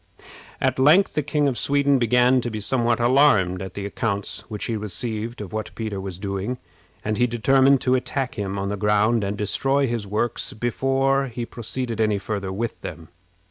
At length the King of Sweden began to be somewhat alarmed at the accounts which he received of what Peter was doing, and he determined to attack him on the ground, and destroy his works before he proceeded any farther with them.